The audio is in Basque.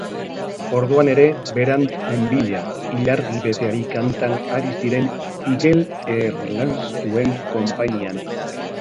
Orduan ere berant nenbilen, ilargi beteari kantan ari ziren igel erlastuen konpainian.